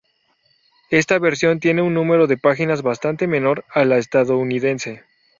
Esta versión tiene un número de páginas bastante menor a la estadounidense.